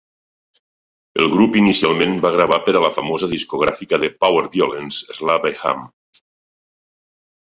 El grup inicialment va gravar per a la famosa discogràfica de powerviolence Slap-a-Ham.